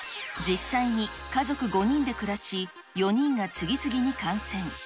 実際に家族５人で暮らし、４人が次々に感染。